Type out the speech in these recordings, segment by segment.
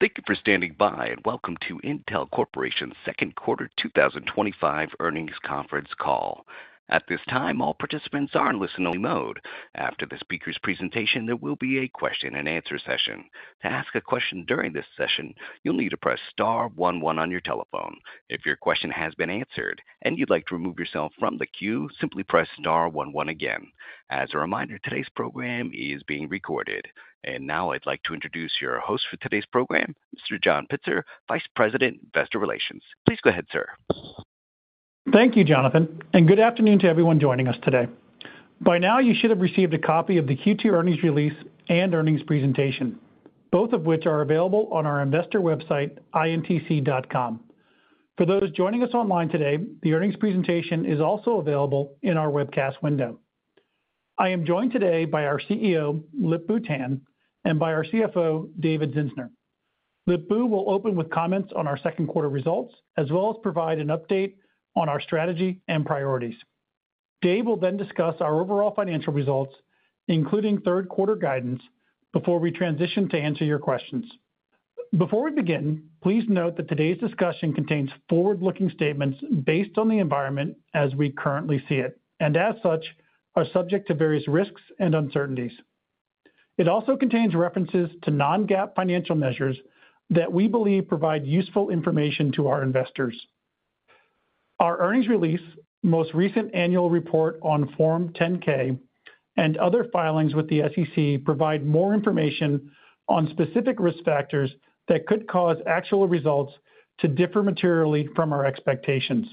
Thank you for standing by and welcome to Intel Corporation's second quarter 2025 earnings conference call. At this time, all participants are in listen-only mode. After the speaker's presentation, there will be a question-and-answer session. To ask a question during this session, you'll need to press Star 11 on your telephone. If your question has been answered and you'd like to remove yourself from the queue, simply press Star 11 again. As a reminder, today's program is being recorded. Now I'd like to introduce your host for today's program, Mr. John Pitzer, Vice President, Investor Relations. Please go ahead, sir. Thank you, Jonathan, and good afternoon to everyone joining us today. By now, you should have received a copy of the Q2 earnings release and earnings presentation, both of which are available on our investor website, intc.com. For those joining us online today, the earnings presentation is also available in our webcast window. I am joined today by our CEO, Lip-Bu Tan, and by our CFO, David Zinsner. Lip-Bu will open with comments on our second quarter results, as well as provide an update on our strategy and priorities. Dave will then discuss our overall financial results, including third quarter guidance, before we transition to answer your questions. Before we begin, please note that today's discussion contains forward-looking statements based on the environment as we currently see it, and as such, are subject to various risks and uncertainties. It also contains references to non-GAAP financial measures that we believe provide useful information to our investors. Our earnings release, most recent annual report on Form 10-K, and other filings with the SEC provide more information on specific risk factors that could cause actual results to differ materially from our expectations.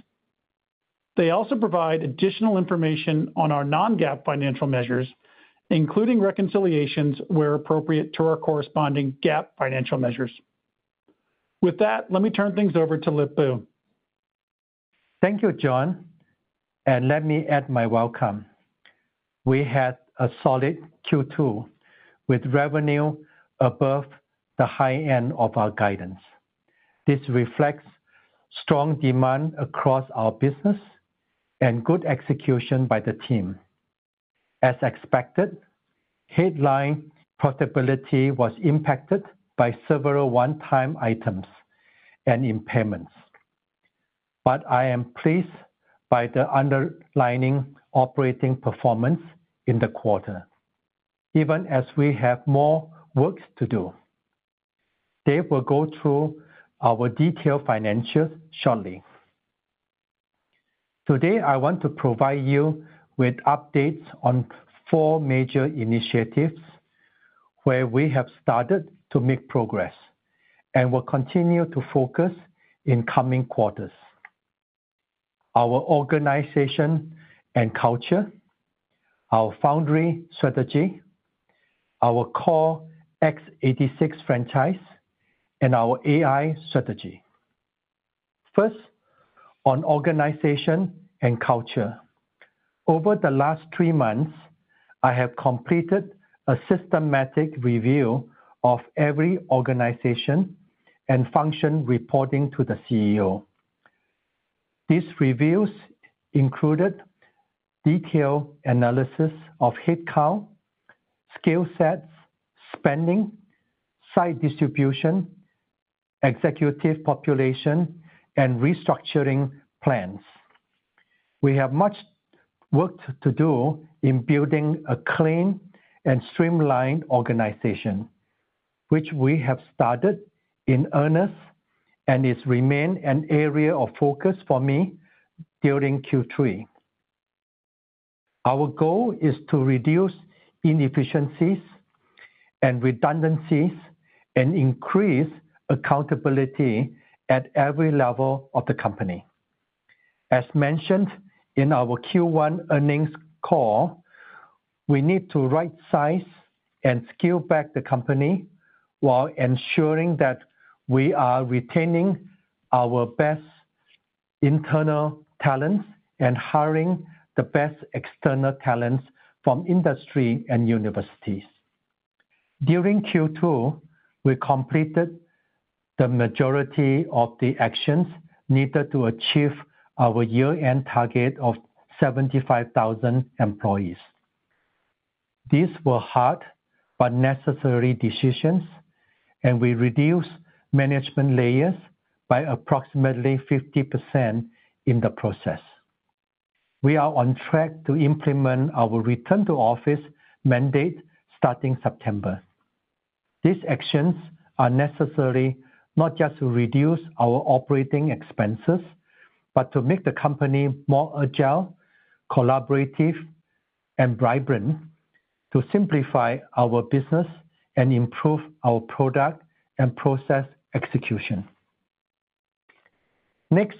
They also provide additional information on our non-GAAP financial measures, including reconciliations where appropriate to our corresponding GAAP financial measures. With that, let me turn things over to Lip-Bu. Thank you, John. Let me add my welcome. We had a solid Q2 with revenue above the high end of our guidance. This reflects strong demand across our business and good execution by the team. As expected, headline profitability was impacted by several one-time items and impairments. I am pleased by the underlying operating performance in the quarter, even as we have more work to do. Dave will go through our detailed financials shortly. Today, I want to provide you with updates on four major initiatives where we have started to make progress and will continue to focus in coming quarters: our organization and culture, our foundry strategy, our Core X86 franchise, and our AI strategy. First, on organization and culture. Over the last three months, I have completed a systematic review of every organization and function reporting to the CEO. These reviews included detailed analysis of headcount, skill sets, spending, site distribution, executive population, and restructuring plans. We have much work to do in building a clean and streamlined organization, which we have started in earnest and is remaining an area of focus for me during Q3. Our goal is to reduce inefficiencies and redundancies and increase accountability at every level of the company. As mentioned in our Q1 earnings call, we need to right-size and scale back the company while ensuring that we are retaining our best internal talents and hiring the best external talents from industry and universities. During Q2, we completed the majority of the actions needed to achieve our year-end target of 75,000 employees. These were hard but necessary decisions, and we reduced management layers by approximately 50% in the process. We are on track to implement our return-to-office mandate starting September. These actions are necessary not just to reduce our operating expenses, but to make the company more agile, collaborative, and vibrant, to simplify our business and improve our product and process execution. Next,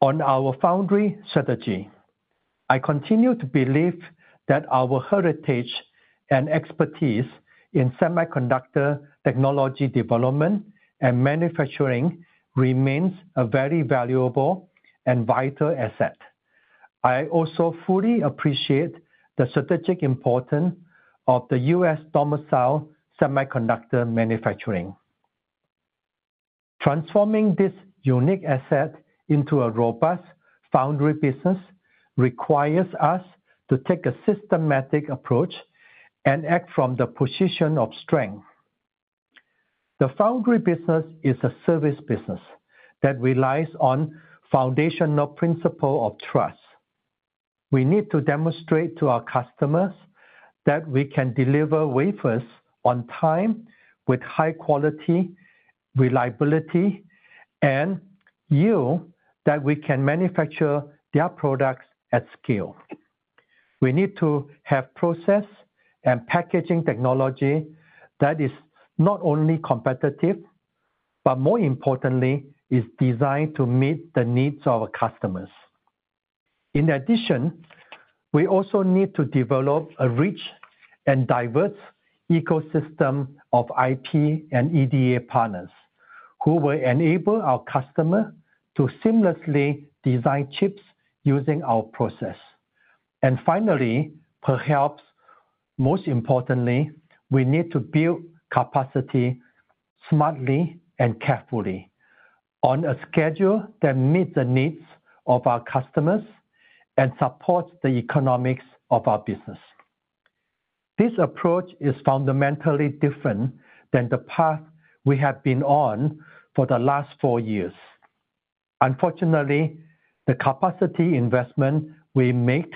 on our foundry strategy, I continue to believe that our heritage and expertise in semiconductor technology development and manufacturing remains a very valuable and vital asset. I also fully appreciate the strategic importance of the US-domiciled semiconductor manufacturing. Transforming this unique asset into a robust foundry business requires us to take a systematic approach and act from the position of strength. The foundry business is a service business that relies on the foundational principle of trust. We need to demonstrate to our customers that we can deliver wafers on time with high quality, reliability, and yield, that we can manufacture their products at scale. We need to have process and packaging technology that is not only competitive, but more importantly, is designed to meet the needs of our customers. In addition, we also need to develop a rich and diverse ecosystem of IP and EDA partners who will enable our customers to seamlessly design chips using our process. Finally, perhaps most importantly, we need to build capacity smartly and carefully. On a schedule that meets the needs of our customers and supports the economics of our business. This approach is fundamentally different than the path we have been on for the last four years. Unfortunately, the capacity investment we made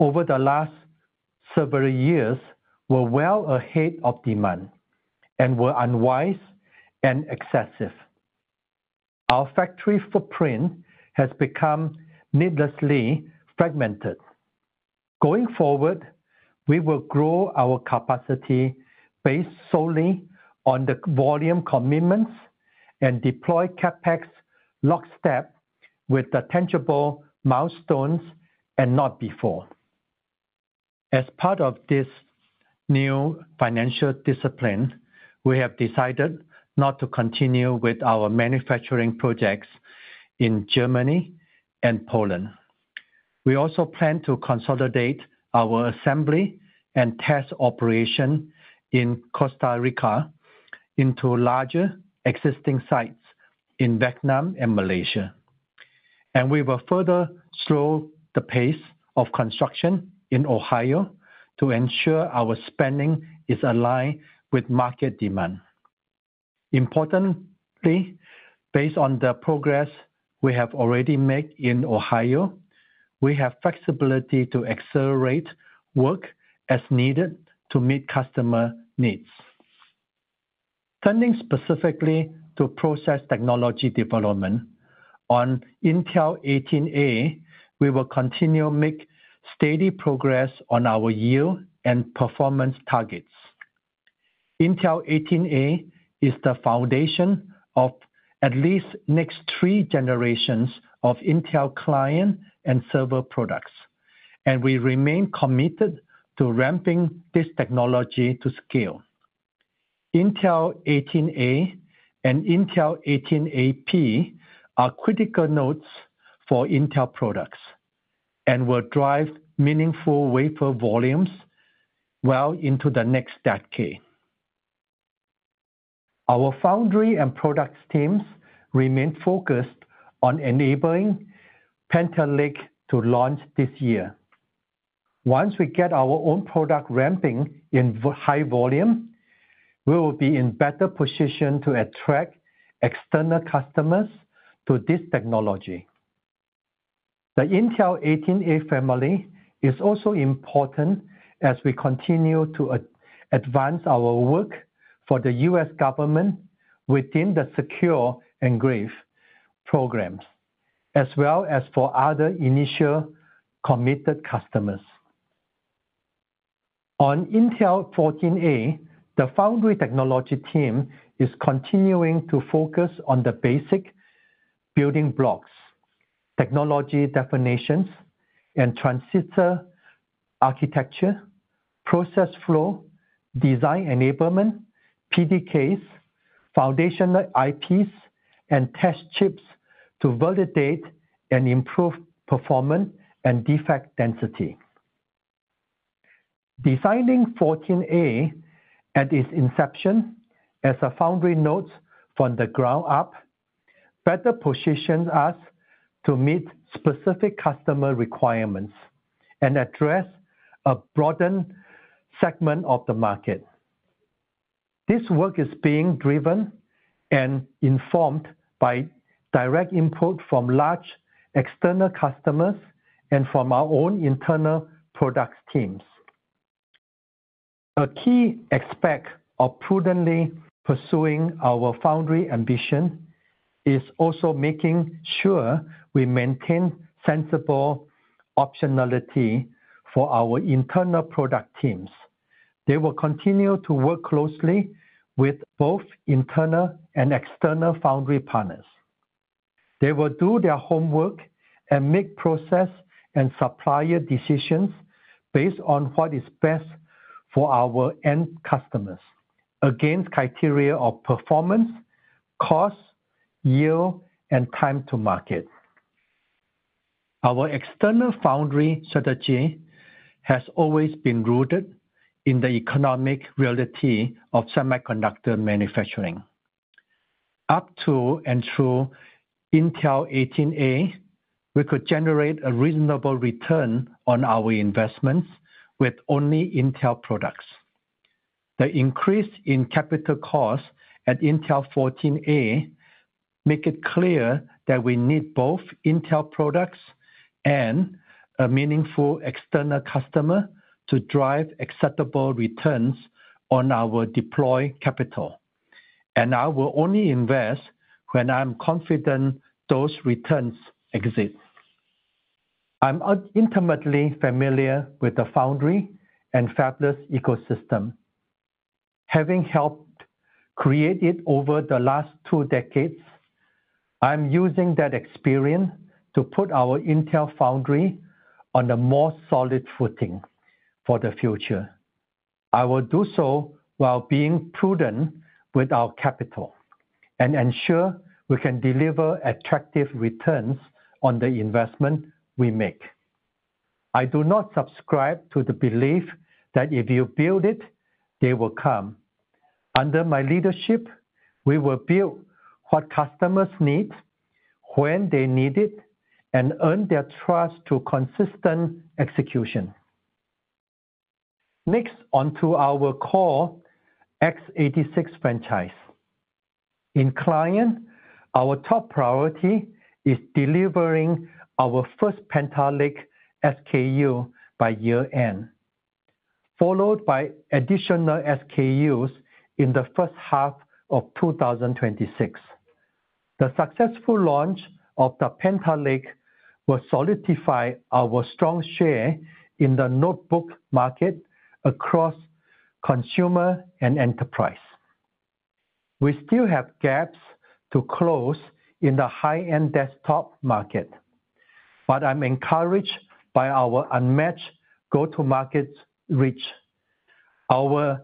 over the last several years was well ahead of demand and was unwise and excessive. Our factory footprint has become needlessly fragmented. Going forward, we will grow our capacity based solely on the volume commitments and deploy CapEx in lockstep with the tangible milestones and not before. As part of this new financial discipline, we have decided not to continue with our manufacturing projects in Germany and Poland. We also plan to consolidate our assembly and test operation in Costa Rica into larger existing sites in Vietnam and Malaysia. We will further slow the pace of construction in Ohio to ensure our spending is aligned with market demand. Importantly, based on the progress we have already made in Ohio, we have flexibility to accelerate work as needed to meet customer needs. Turning specifically to process technology development. On Intel 18A, we will continue to make steady progress on our yield and performance targets. Intel 18A is the foundation of at least the next three generations of Intel client and server products, and we remain committed to ramping this technology to scale. Intel 18A and Intel 18AP are critical nodes for Intel products and will drive meaningful wafer volumes well into the next decade. Our foundry and product teams remain focused on enabling Panther Lake to launch this year. Once we get our own product ramping in high volume, we will be in a better position to attract external customers to this technology. The Intel 18A family is also important as we continue to advance our work for the U.S. government within the Secure and Grave programs, as well as for other initial committed customers. On Intel 14A, the foundry technology team is continuing to focus on the basic building blocks, technology definitions, and transistor architecture, process flow, design enablement, PDKs, foundation IPs, and test chips to validate and improve performance and defect density. Designing 14A at its inception as a foundry node from the ground up better positions us to meet specific customer requirements and address a broad segment of the market. This work is being driven and informed by direct input from large external customers and from our own internal product teams. A key aspect of prudently pursuing our foundry ambition is also making sure we maintain sensible optionality for our internal product teams. They will continue to work closely with both internal and external foundry partners. They will do their homework and make process and supplier decisions based on what is best for our end customers against criteria of performance, cost, yield, and time to market. Our external foundry strategy has always been rooted in the economic reality of semiconductor manufacturing. Up to and through. Intel 18A, we could generate a reasonable return on our investments with only Intel products. The increase in capital costs at Intel 14A makes it clear that we need both Intel products and a meaningful external customer to drive acceptable returns on our deployed capital. I will only invest when I'm confident those returns exist. I'm intimately familiar with the foundry and fabless ecosystem, having helped create it over the last two decades. I'm using that experience to put our Intel foundry on a more solid footing for the future. I will do so while being prudent with our capital and ensure we can deliver attractive returns on the investment we make. I do not subscribe to the belief that if you build it, they will come. Under my leadership, we will build what customers need, when they need it, and earn their trust through consistent execution. Next, onto our call. X86 franchise. In client, our top priority is delivering our first Panther Lake SKU by year-end, followed by additional SKUs in the first half of 2026. The successful launch of Panther Lake will solidify our strong share in the notebook market across consumer and enterprise. We still have gaps to close in the high-end desktop market, but I'm encouraged by our unmatched go-to-market reach, our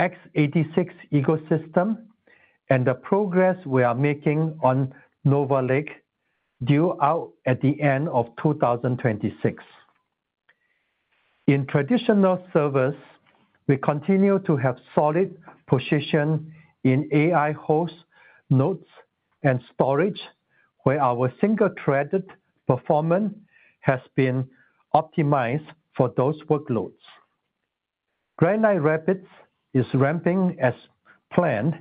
x86 ecosystem, and the progress we are making on Nova Lake, due out at the end of 2026. In traditional servers, we continue to have solid position in AI host nodes and storage, where our single-threaded performance has been optimized for those workloads. Granite Rapids is ramping as planned,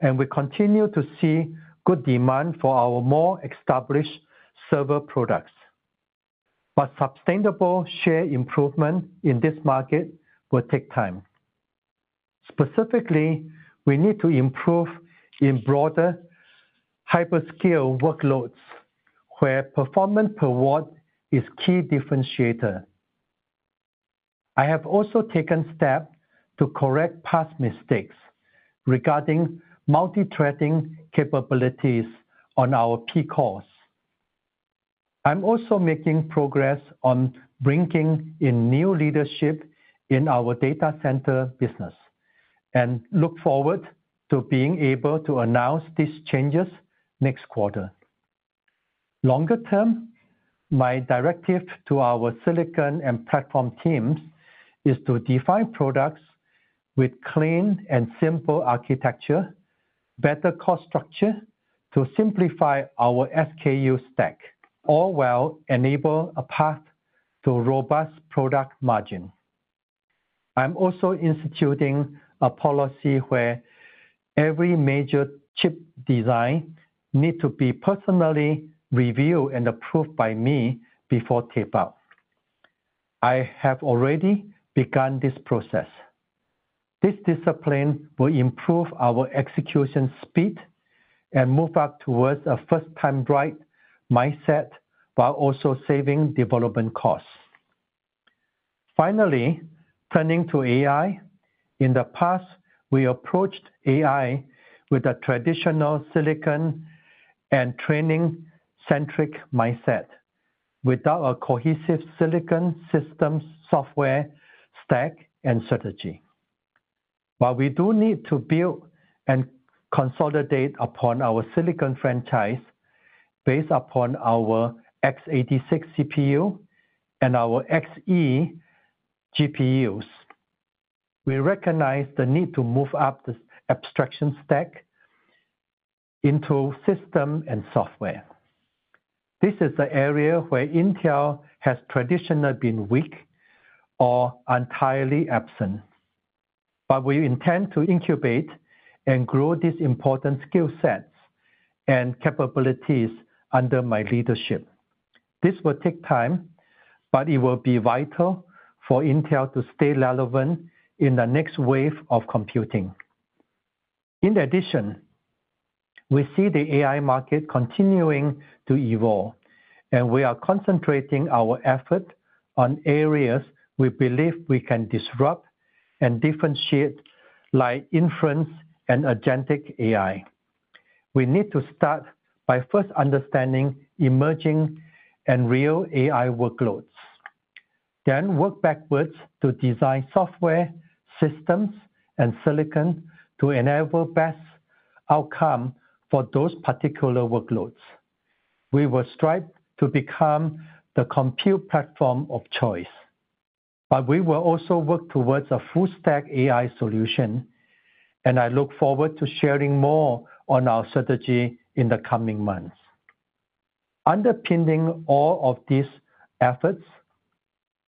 and we continue to see good demand for our more established server products. Sustainable share improvement in this market will take time. Specifically, we need to improve in broader hyperscale workloads, where performance per watt is a key differentiator. I have also taken steps to correct past mistakes regarding multi-threading capabilities on our P-cores. I'm also making progress on bringing in new leadership in our data center business and look forward to being able to announce these changes next quarter. Longer term, my directive to our silicon and platform teams is to define products with clean and simple architecture, better cost structure to simplify our SKU stack, all while enabling a path to robust product margin. I'm also instituting a policy where every major chip design needs to be personally reviewed and approved by me before tape-out. I have already begun this process. This discipline will improve our execution speed and move us towards a first-time-right mindset while also saving development costs. Finally, turning to AI, in the past, we approached AI with a traditional silicon and training-centric mindset without a cohesive silicon systems software stack and strategy. While we do need to build and consolidate upon our silicon franchise based upon our x86 CPU and our Xe GPUs, we recognize the need to move up the abstraction stack into system and software. This is the area where Intel has traditionally been weak or entirely absent. We intend to incubate and grow these important skill sets and capabilities under my leadership. This will take time, but it will be vital for Intel to stay relevant in the next wave of computing. In addition, we see the AI market continuing to evolve, and we are concentrating our efforts on areas we believe we can disrupt and differentiate, like inference and agentic AI. We need to start by first understanding emerging and real AI workloads, then work backwards to design software systems and silicon to enable the best outcome for those particular workloads. We will strive to become the compute platform of choice. We will also work towards a full-stack AI solution, and I look forward to sharing more on our strategy in the coming months. Underpinning all of these efforts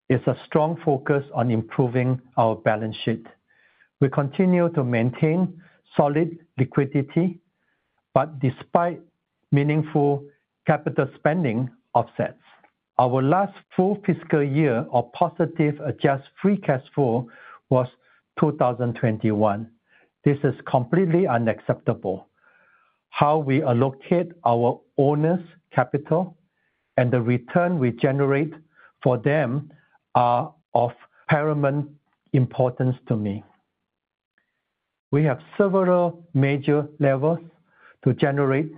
is a strong focus on improving our balance sheet. We continue to maintain solid liquidity, but despite meaningful capital spending offsets, our last full fiscal year of positive free cash flow was 2021. This is completely unacceptable. How we allocate our owners' capital and the return we generate for them are of paramount importance to me. We have several major levers to generate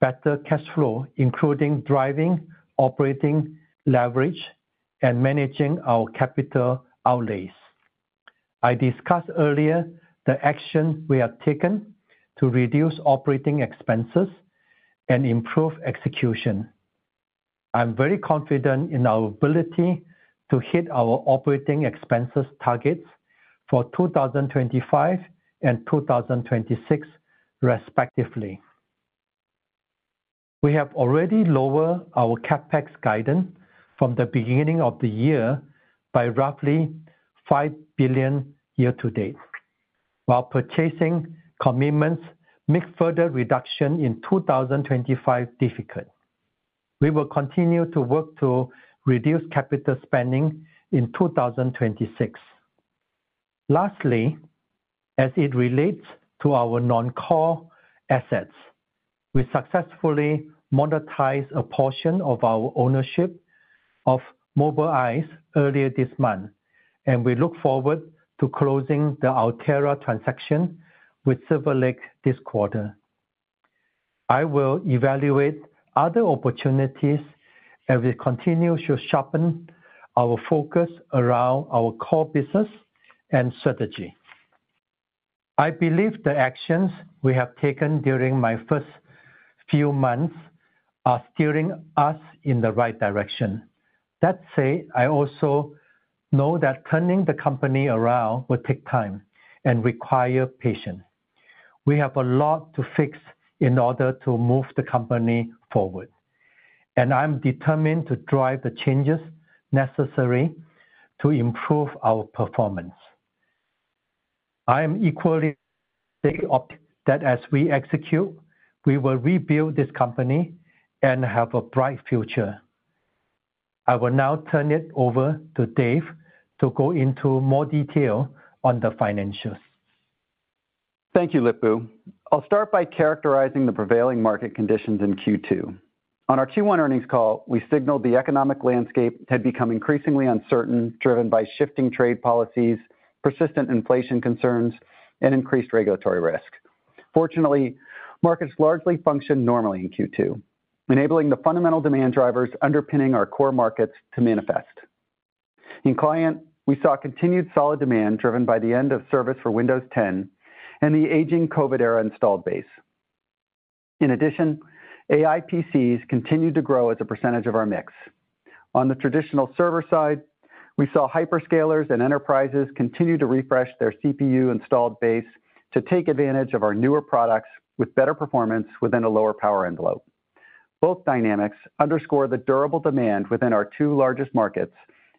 better cash flow, including driving operating leverage and managing our capital outlays. I discussed earlier the actions we have taken to reduce operating expenses and improve execution. I'm very confident in our ability to hit our operating expenses targets for 2025 and 2026, respectively. We have already lowered our CapEx guidance from the beginning of the year by roughly $5 billion year-to-date. While purchasing commitments make further reduction in 2025 difficult, we will continue to work to reduce capital spending in 2026. Lastly, as it relates to our non-core assets, we successfully monetized a portion of our ownership of Mobileye earlier this month, and we look forward to closing the Altera transaction with Silver Lake this quarter. I will evaluate other opportunities as we continue to sharpen our focus around our core business and strategy. I believe the actions we have taken during my first few months are steering us in the right direction. That said, I also know that turning the company around will take time and require patience. We have a lot to fix in order to move the company forward, and I'm determined to drive the changes necessary to improve our performance. I am equally optimistic that as we execute, we will rebuild this company and have a bright future. I will now turn it over to Dave to go into more detail on the financials. Thank you, Lip-Bu. I'll start by characterizing the prevailing market conditions in Q2. On our Q1 earnings call, we signaled the economic landscape had become increasingly uncertain, driven by shifting trade policies, persistent inflation concerns, and increased regulatory risk. Fortunately, markets largely functioned normally in Q2, enabling the fundamental demand drivers underpinning our core markets to manifest. In client, we saw continued solid demand driven by the end-of-service for Windows 10 and the aging COVID-era installed base. In addition, AI PCs continued to grow as a percentage of our mix. On the traditional server side, we saw hyperscalers and enterprises continue to refresh their CPU installed base to take advantage of our newer products with better performance within a lower power envelope. Both dynamics underscore the durable demand within our two largest markets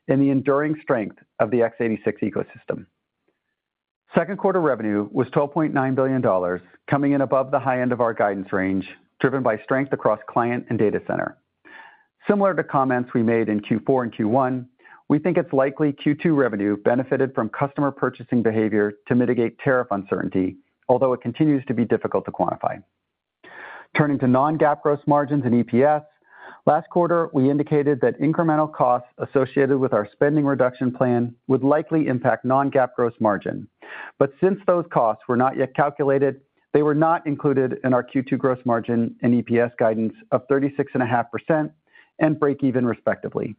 and the enduring strength of the x86 ecosystem. Second quarter revenue was $12.9 billion, coming in above the high end of our guidance range, driven by strength across client and data center. Similar to comments we made in Q4 and Q1, we think it's likely Q2 revenue benefited from customer purchasing behavior to mitigate tariff uncertainty, although it continues to be difficult to quantify. Turning to non-GAAP gross margins and EPS, last quarter, we indicated that incremental costs associated with our spending reduction plan would likely impact non-GAAP gross margin. Since those costs were not yet calculated, they were not included in our Q2 gross margin and EPS guidance of 36.5% and break-even, respectively.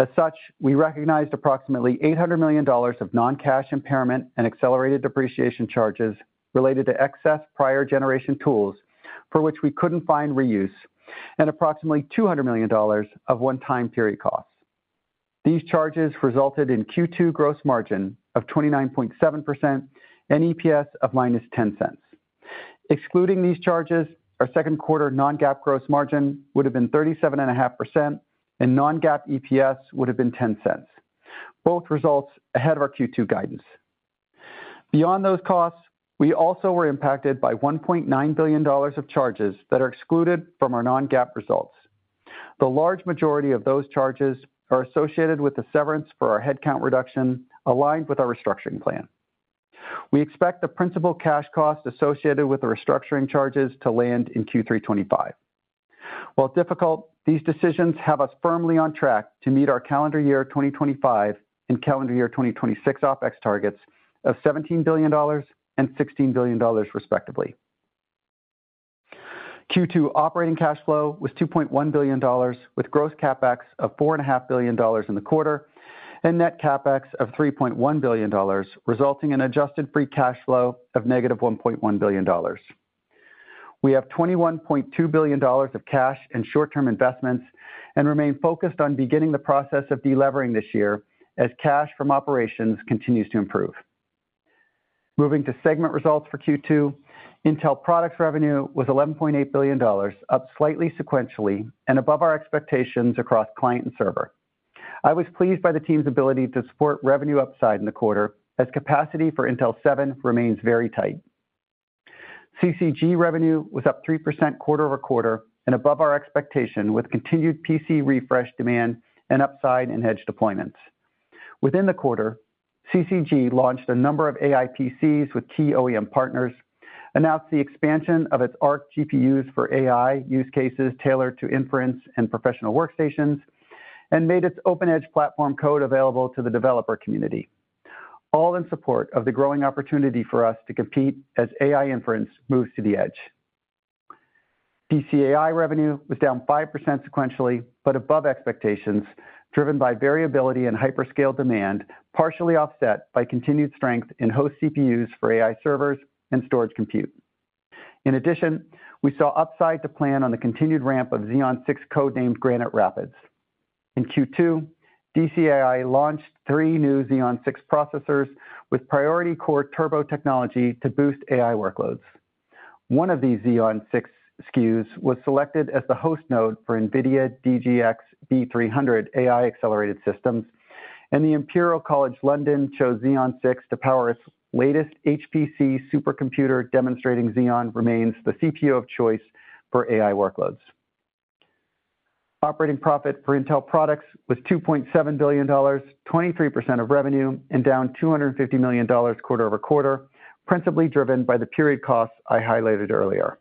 As such, we recognized approximately $800 million of non-cash impairment and accelerated depreciation charges related to excess prior-generation tools for which we couldn't find reuse, and approximately $200 million of one-time period costs. These charges resulted in Q2 gross margin of 29.7% and EPS of minus $0.10. Excluding these charges, our second quarter non-GAAP gross margin would have been 37.5%, and non-GAAP EPS would have been $0.10, both results ahead of our Q2 guidance. Beyond those costs, we also were impacted by $1.9 billion of charges that are excluded from our non-GAAP results. The large majority of those charges are associated with the severance for our headcount reduction aligned with our restructuring plan. We expect the principal cash cost associated with the restructuring charges to land in Q3 2025. While difficult, these decisions have us firmly on track to meet our calendar year 2025 and calendar year 2026 OpEx targets of $17 billion and $16 billion, respectively. Q2 operating cash flow was $2.1 billion, with gross CapEx of $4.5 billion in the quarter and net CapEx of $3.1 billion, resulting in adjusted free cash flow of negative $1.1 billion. We have $21.2 billion of cash and short-term investments and remain focused on beginning the process of delevering this year as cash from operations continues to improve. Moving to segment results for Q2, Intel products revenue was $11.8 billion, up slightly sequentially and above our expectations across client and server. I was pleased by the team's ability to support revenue upside in the quarter as capacity for Intel 7 remains very tight. CCG revenue was up 3% quarter over quarter and above our expectation with continued PC refresh demand and upside in edge deployments. Within the quarter, CCG launched a number of AI PCs with key OEM partners, announced the expansion of its Arc GPUs for AI use cases tailored to inference and professional workstations, and made its open-edge platform code available to the developer community, all in support of the growing opportunity for us to compete as AI inference moves to the edge. PC AI revenue was down 5% sequentially but above expectations, driven by variability in hyperscale demand, partially offset by continued strength in host CPUs for AI servers and storage compute. In addition, we saw upside to plan on the continued ramp of Xeon 6 code-named Granite Rapids. In Q2, DCII launched three new Xeon 6 processors with priority core turbo technology to boost AI workloads. One of these Xeon 6 SKUs was selected as the host node for NVIDIA DGX B300 AI accelerated systems, and the Imperial College London chose Xeon 6 to power its latest HPC supercomputer, demonstrating Xeon remains the CPU of choice for AI workloads. Operating profit for Intel products was $2.7 billion, 23% of revenue, and down $250 million quarter over quarter, principally driven by the period costs I highlighted earlier.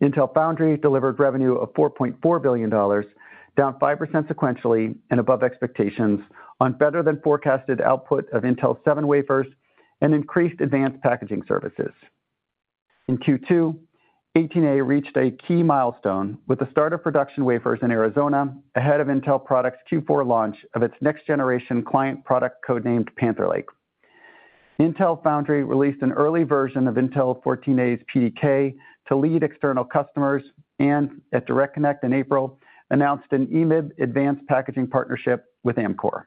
Intel Foundry delivered revenue of $4.4 billion, down 5% sequentially and above expectations on better-than-forecasted output of Intel 7 wafers and increased advanced packaging services. In Q2, 18A reached a key milestone with the start of production wafers in Arizona ahead of Intel products' Q4 launch of its next-generation client product code-named Panther Lake. Intel Foundry released an early version of Intel 14A's PDK to lead external customers and, at Direct Connect in April, announced an EMIB advanced packaging partnership with Amkor.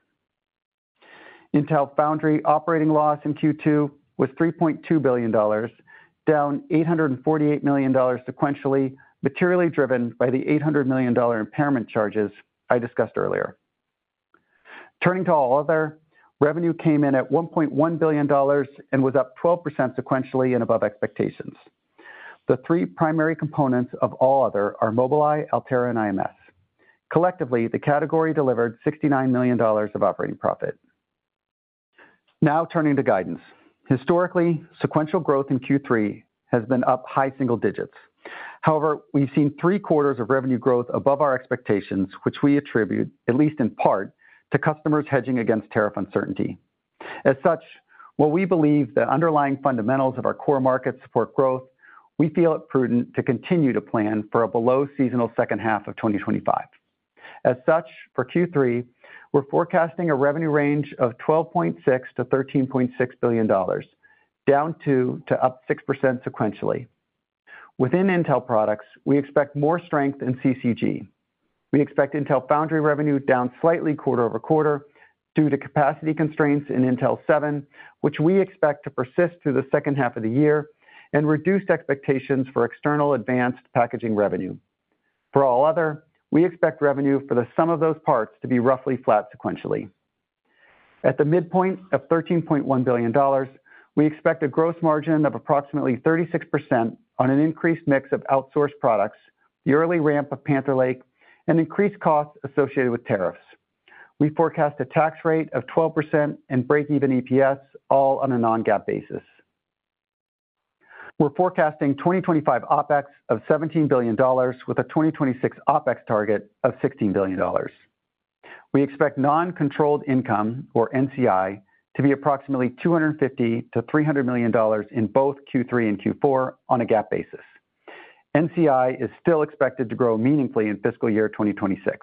Intel Foundry operating loss in Q2 was $3.2 billion, down $848 million sequentially, materially driven by the $800 million impairment charges I discussed earlier. Turning to all other, revenue came in at $1.1 billion and was up 12% sequentially and above expectations. The three primary components of all other are Mobileye, Altera, and IMS. Collectively, the category delivered $69 million of operating profit. Now turning to guidance. Historically, sequential growth in Q3 has been up high single digits. However, we have seen three quarters of revenue growth above our expectations, which we attribute, at least in part, to customers hedging against tariff uncertainty. As such, while we believe the underlying fundamentals of our core markets support growth, we feel it prudent to continue to plan for a below-seasonal second half of 2025. As such, for Q3, we are forecasting a revenue range of $12.6 billion-$13.6 billion, down 2% to up 6% sequentially. Within Intel products, we expect more strength in CCG. We expect Intel Foundry revenue down slightly quarter over quarter due to capacity constraints in Intel 7, which we expect to persist through the second half of the year and reduced expectations for external advanced packaging revenue. For all other, we expect revenue for the sum of those parts to be roughly flat sequentially. At the midpoint of $13.1 billion, we expect a gross margin of approximately 36% on an increased mix of outsourced products, the early ramp of Panther Lake, and increased costs associated with tariffs. We forecast a tax rate of 12% and break-even EPS, all on a non-GAAP basis. We're forecasting 2025 OpEx of $17 billion, with a 2026 OpEx target of $16 billion. We expect non-controlled income, or NCI, to be approximately $250 million-$300 million in both Q3 and Q4 on a GAAP basis. NCI is still expected to grow meaningfully in fiscal year 2026.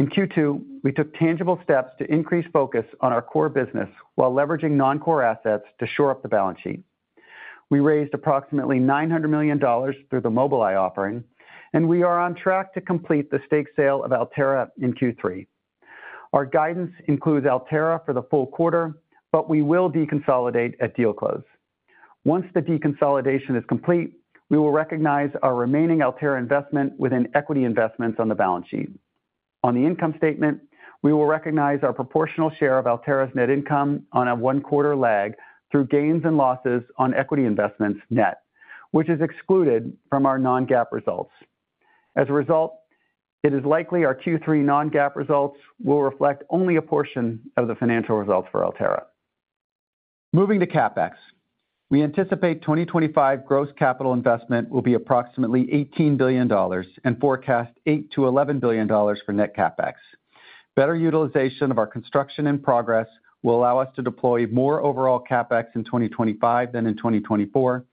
In Q2, we took tangible steps to increase focus on our core business while leveraging non-core assets to shore up the balance sheet. We raised approximately $900 million through the Mobileye offering, and we are on track to complete the stake sale of Altera in Q3. Our guidance includes Altera for the full quarter, but we will deconsolidate at deal close. Once the deconsolidation is complete, we will recognize our remaining Altera investment within equity investments on the balance sheet. On the income statement, we will recognize our proportional share of Altera's net income on a one-quarter lag through gains and losses on equity investments net, which is excluded from our non-GAAP results. As a result, it is likely our Q3 non-GAAP results will reflect only a portion of the financial results for Altera. Moving to CapEx, we anticipate 2025 gross capital investment will be approximately $18 billion and forecast $8 billion-$11 billion for net CapEx. Better utilization of our construction in progress will allow us to deploy more overall CapEx in 2025 than in 2024,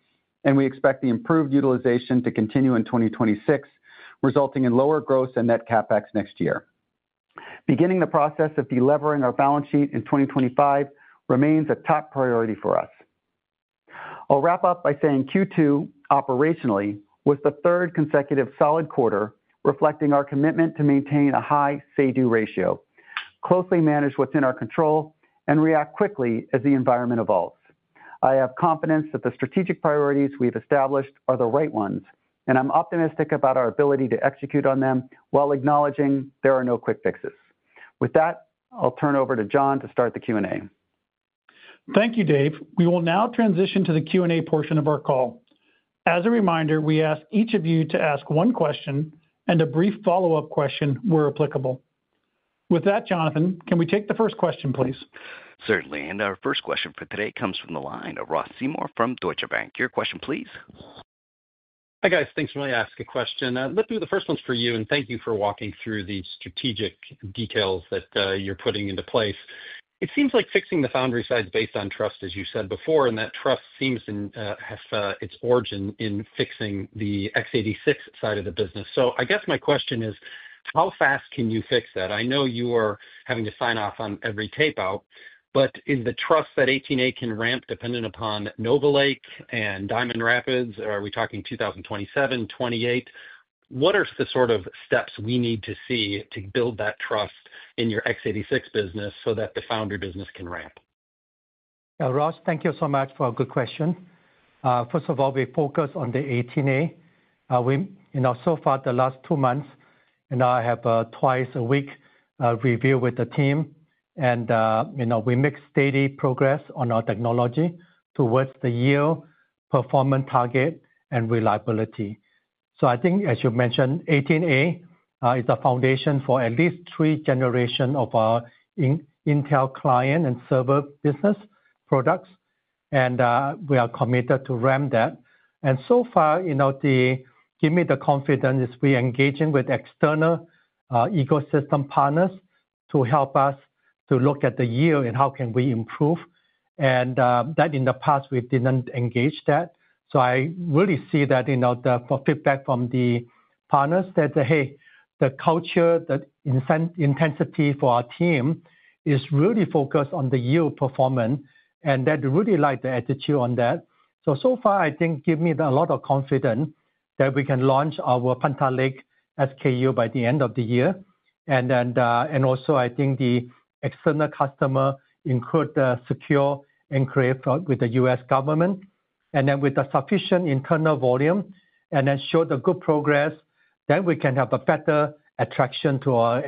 and we expect the improved utilization to continue in 2026, resulting in lower gross and net CapEx next year. Beginning the process of delivering our balance sheet in 2025 remains a top priority for us. I'll wrap up by saying Q2 operationally was the third consecutive solid quarter reflecting our commitment to maintain a high say-do ratio, closely manage what's in our control, and react quickly as the environment evolves. I have confidence that the strategic priorities we've established are the right ones, and I'm optimistic about our ability to execute on them while acknowledging there are no quick fixes. With that, I'll turn over to John to start the Q&A. Thank you, Dave. We will now transition to the Q&A portion of our call. As a reminder, we ask each of you to ask one question and a brief follow-up question where applicable. With that, Jonathan, can we take the first question, please? Certainly. And our first question for today comes from the line of Ross Seymour from Deutsche Bank. Your question, please. Hi, guys. Thanks for letting me ask a question. Lip-Bu, the first one's for you, and thank you for walking through the strategic details that you're putting into place. It seems like fixing the foundry side is based on trust, as you said before, and that trust seems to have its origin in fixing the x86 side of the business. So I guess my question is, how fast can you fix that? I know you are having to sign off on every tape-out, but is the trust that 18A can ramp dependent upon Nova Lake and Diamond Rapids? Are we talking 2027, 2028? What are the sort of steps we need to see to build that trust in your x86 business so that the foundry business can ramp? Ross, thank you so much for a good question. First of all, we focus on the 18A. So far, the last two months, I have twice a week review with the team, and we make steady progress on our technology towards the yield, performance target, and reliability. I think, as you mentioned, 18A is the foundation for at least three generations of our Intel client and server business products, and we are committed to ramp that. So far, it gave me the confidence we're engaging with external ecosystem partners to help us to look at the yield and how can we improve. In the past, we didn't engage that. I really see that the feedback from the partners that, hey, the culture, the intensity for our team is really focused on the yield performance, and they really like the attitude on that. So far, I think it gave me a lot of confidence that we can launch our Panther Lake SKU by the end of the year. Also, I think the external customer encouraged the secure enclave with the US government, and then with the sufficient internal volume, and then showed the good progress, then we can have a better attraction to our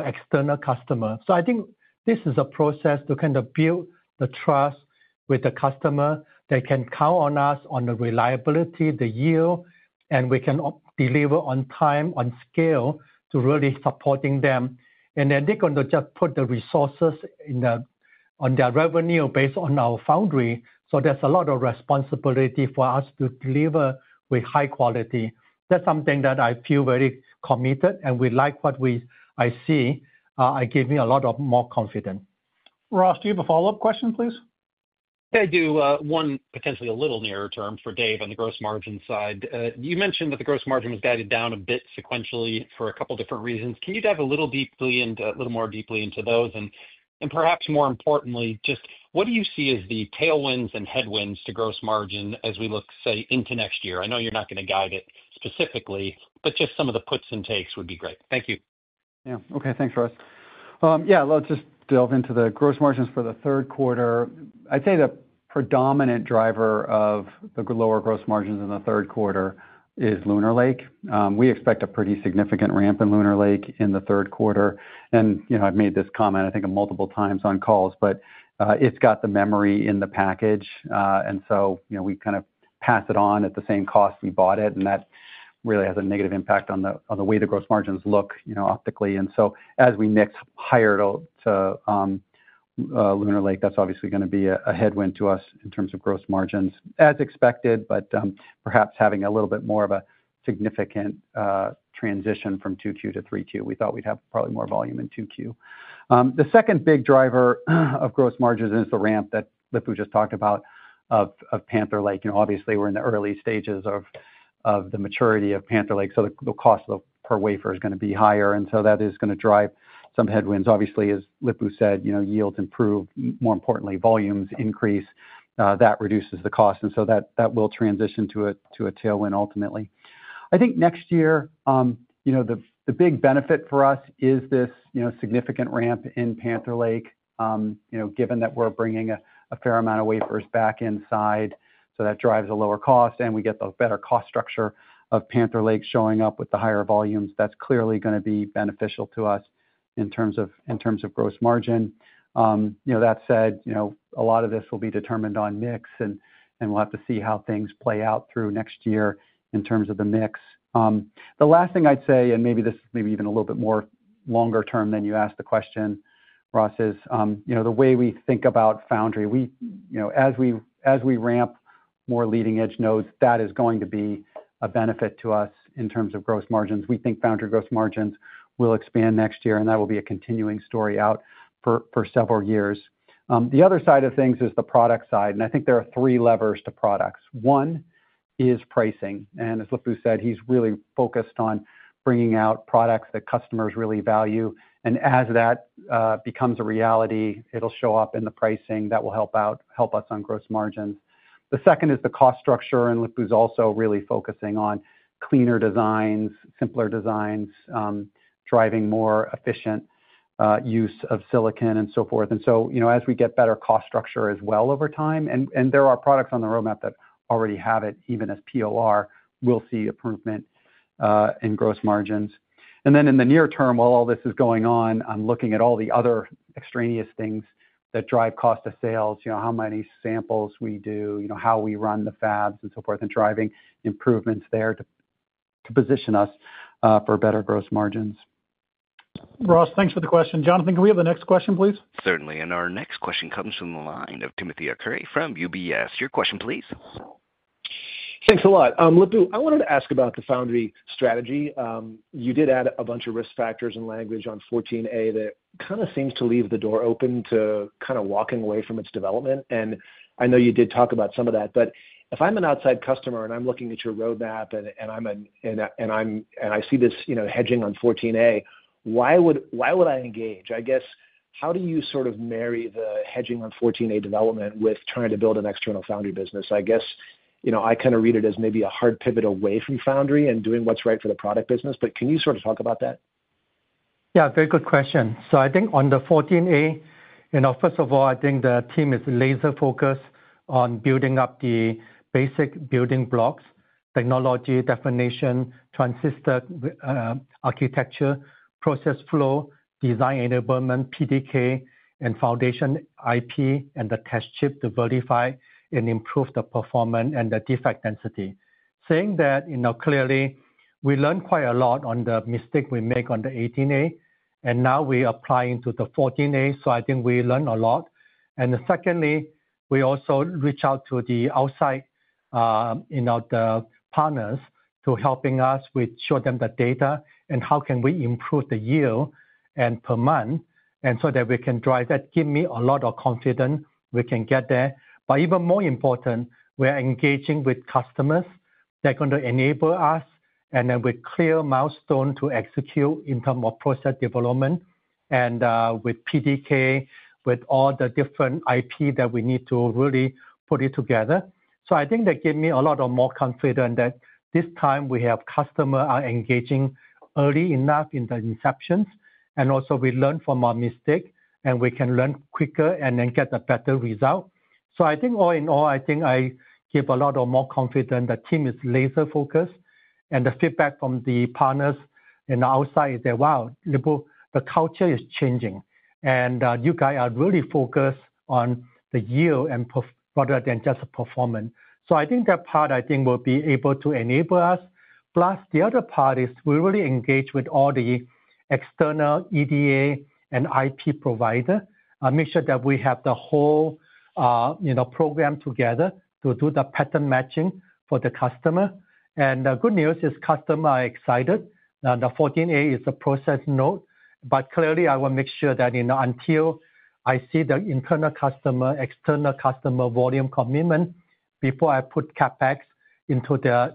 external customer. I think this is a process to kind of build the trust with the customer. They can count on us on the reliability, the yield, and we can deliver on time, on scale, to really support them. Then they're going to just put the resources on their revenue based on our foundry. There's a lot of responsibility for us to deliver with high quality. That's something that I feel very committed, and we like what I see. It gave me a lot more confidence. Ross, do you have a follow-up question, please? Yeah, I do. One, potentially a little nearer term for Dave on the gross margin side. You mentioned that the gross margin was guided down a bit sequentially for a couple of different reasons. Can you dive a little deeper and a little more deeply into those? And perhaps more importantly, just what do you see as the tailwinds and headwinds to gross margin as we look, say, into next year? I know you're not going to guide it specifically, but just some of the puts and takes would be great. Thank you. Yeah. Okay. Thanks, Ross. Yeah. Let's just delve into the gross margins for the third quarter. I'd say the predominant driver of the lower gross margins in the third quarter is Lunar Lake. We expect a pretty significant ramp in Lunar Lake in the third quarter. I've made this comment, I think, multiple times on calls, but it's got the memory in the package. We kind of pass it on at the same cost we bought it, and that really has a negative impact on the way the gross margins look optically. As we mix higher to Lunar Lake, that's obviously going to be a headwind to us in terms of gross margins, as expected, but perhaps having a little bit more of a significant transition from 2Q to 3Q. We thought we'd have probably more volume in 2Q. The second big driver of gross margins is the ramp that Lip-Bu just talked about of Panther Lake. Obviously, we're in the early stages of the maturity of Panther Lake, so the cost per wafer is going to be higher. That is going to drive some headwinds. Obviously, as Lip-Bu said, yields improve. More importantly, volumes increase. That reduces the cost. That will transition to a tailwind ultimately. I think next year, the big benefit for us is this significant ramp in Panther Lake, given that we're bringing a fair amount of wafers back inside. That drives a lower cost, and we get the better cost structure of Panther Lake showing up with the higher volumes. That's clearly going to be beneficial to us in terms of gross margin. That said, a lot of this will be determined on mix, and we'll have to see how things play out through next year in terms of the mix. The last thing I'd say, and maybe this is maybe even a little bit more longer term than you asked the question, Ross, is the way we think about foundry. As we ramp more leading-edge nodes, that is going to be a benefit to us in terms of gross margins. We think foundry gross margins will expand next year, and that will be a continuing story out for several years. The other side of things is the product side. I think there are three levers to products. One is pricing. As Lip-Bu said, he's really focused on bringing out products that customers really value. As that becomes a reality, it'll show up in the pricing. That will help us on gross margins. The second is the cost structure. Lip-Bu's also really focusing on cleaner designs, simpler designs, driving more efficient use of silicon, and so forth. As we get better cost structure as well over time, and there are products on the roadmap that already have it, even as POR, we'll see improvement in gross margins. Then in the near term, while all this is going on, I'm looking at all the other extraneous things that drive cost of sales, how many samples we do, how we run the fabs, and so forth, and driving improvements there to position us for better gross margins. Ross, thanks for the question. Jonathan, can we have the next question, please? Certainly. Our next question comes from the line of Timothy Arcur from UBS. Your question, please. Thanks a lot. Lip-Bu, I wanted to ask about the foundry strategy. You did add a bunch of risk factors and language on 14A that kind of seems to leave the door open to kind of walking away from its development. I know you did talk about some of that, but if I'm an outside customer and I'm looking at your roadmap and I see this hedging on 14A, why would I engage? I guess, how do you sort of marry the hedging on 14A development with trying to build an external foundry business? I guess I kind of read it as maybe a hard pivot away from foundry and doing what's right for the product business. Can you sort of talk about that? Yeah, very good question. I think on the 14A, first of all, I think the team is laser-focused on building up the basic building blocks: technology, definition, transistor, architecture, process flow, design enablement, PDK, and foundation IP, and the test chip to verify and improve the performance and the defect density. Saying that clearly, we learned quite a lot on the mistake we made on the 18A, and now we're applying to the 14A, so I think we learned a lot. Secondly, we also reach out to the outside partners to help us with showing them the data and how can we improve the yield per month so that we can drive that. Gives me a lot of confidence we can get there. Even more important, we're engaging with customers. They're going to enable us, and then with clear milestones to execute in terms of process development and with PDK, with all the different IP that we need to really put it together. I think that gave me a lot more confidence that this time we have customers engaging early enough in the inceptions, and also we learned from our mistakes, and we can learn quicker and then get a better result. All in all, I think I give a lot more confidence. The team is laser-focused, and the feedback from the partners and the outside is that, "Wow, Lip-Bu, the culture is changing, and you guys are really focused on the yield rather than just performance." I think that part will be able to enable us. Plus, the other part is we really engage with all the external EDA and IP providers, make sure that we have the whole. Program together to do the pattern matching for the customer. The good news is customers are excited. The 14A is a process node, but clearly, I want to make sure that until I see the internal customer, external customer volume commitment, before I put CapEx into the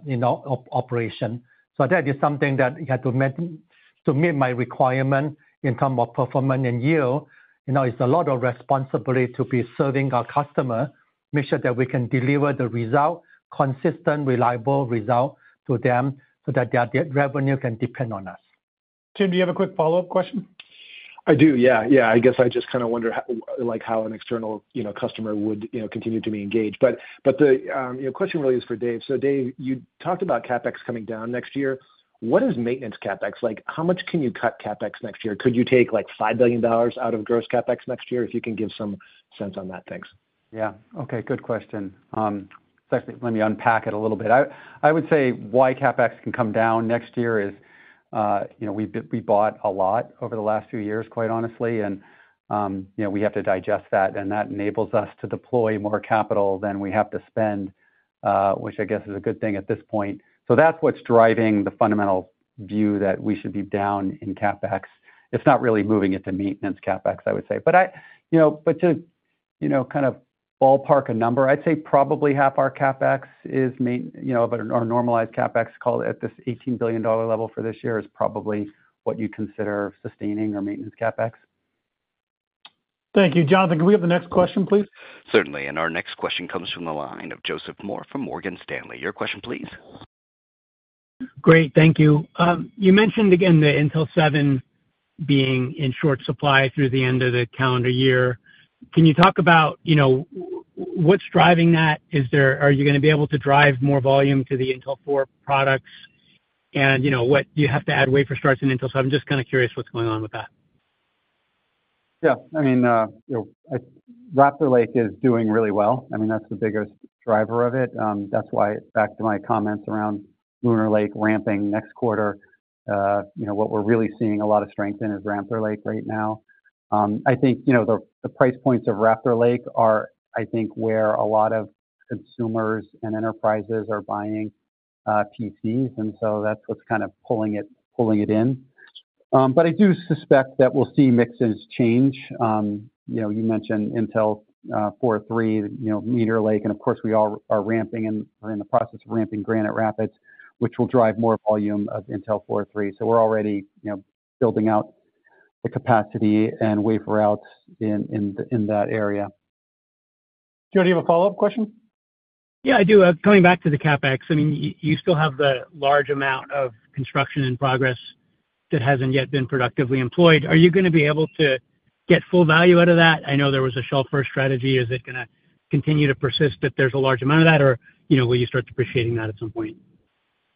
operation. That is something that had to meet my requirement in terms of performance and yield. It's a lot of responsibility to be serving our customers, make sure that we can deliver the result, consistent, reliable result to them so that their revenue can depend on us. Tim, do you have a quick follow-up question? I do. Yeah. I guess I just kind of wonder how an external customer would continue to be engaged. The question really is for Dave. Dave, you talked about CapEx coming down next year. What is maintenance CapEx? How much can you cut CapEx next year? Could you take $5 billion out of gross CapEx next year if you can give some sense on that? Thanks. Yeah. Okay. Good question. Let me unpack it a little bit. I would say why CapEx can come down next year is we bought a lot over the last few years, quite honestly, and we have to digest that. That enables us to deploy more capital than we have to spend, which I guess is a good thing at this point. That's what's driving the fundamental view that we should be down in CapEx. It's not really moving it to maintenance CapEx, I would say. To kind of ballpark a number, I'd say probably half our CapEx is our normalized CapEx at this $18 billion level for this year is probably what you consider sustaining or maintenance CapEx. Thank you. Jonathan, can we have the next question, please? Certainly. Our next question comes from the line of Joseph Moore from Morgan Stanley. Your question, please. Great. Thank you. You mentioned again the Intel 7 being in short supply through the end of the calendar year. Can you talk about what's driving that? Are you going to be able to drive more volume to the Intel 4 products? Do you have to add wafer starts in Intel 7? Just kind of curious what's going on with that. Yeah. I mean, Raptor Lake is doing really well. That's the biggest driver of it. That's why back to my comments around Lunar Lake ramping next quarter. What we're really seeing a lot of strength in is Raptor Lake right now. I think the price points of Raptor Lake are, I think, where a lot of consumers and enterprises are buying PCs. That's what's kind of pulling it in. I do suspect that we'll see mixes change. You mentioned Intel 4, Meteor Lake, and of course, we are ramping and we're in the process of ramping Granite Rapids, which will drive more volume of Intel 4. We're already building out. The capacity and wafer routes in that area. Joe do you have a follow-up question? Yeah, I do. Coming back to the CapEx, I mean, you still have the large amount of construction in progress that has not yet been productively employed. Are you going to be able to get full value out of that? I know there was a shelfware strategy. Is it going to continue to persist that there is a large amount of that, or will you start depreciating that at some point?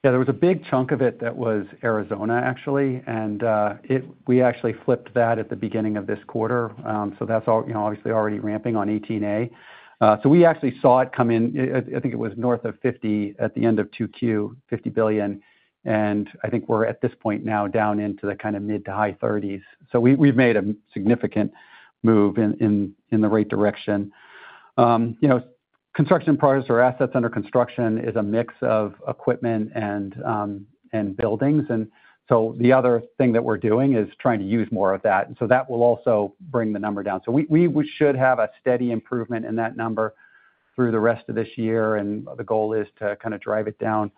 Yeah. There was a big chunk of it that was Arizona, actually. We actually flipped that at the beginning of this quarter. That is obviously already ramping on 18A. We actually saw it come in. I think it was north of 50 at the end of 2Q, $50 billion. I think we are at this point now down into the kind of mid to high 30s. We have made a significant move in the right direction. Construction parts or assets under construction is a mix of equipment and buildings. The other thing that we are doing is trying to use more of that. That will also bring the number down. We should have a steady improvement in that number through the rest of this year. The goal is to drive it down